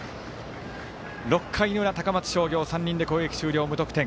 ６回の裏、高松商業３人で攻撃終了、無得点。